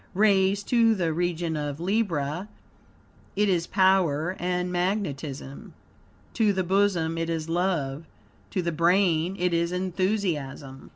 Raised to the region of Libra, it is power and magnetism. To the bosom it is love; to the brain it is enthusiasm.